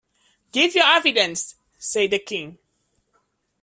‘Give your evidence,’ said the King.